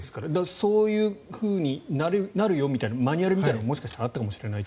そういうふうになるよみたいなマニュアルみたいなものがもしかしたらあったかもしれないと。